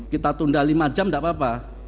kita tunda lima jam tidak apa apa